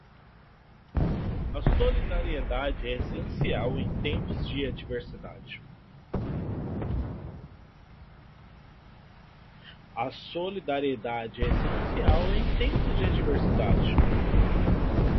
A solidariedade é essencial em tempos de adversidade.